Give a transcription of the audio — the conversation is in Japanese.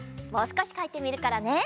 もうすこしかいてみるからね。